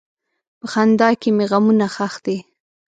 په خندا کې مې غمونه ښخ دي.